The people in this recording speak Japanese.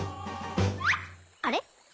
あれ？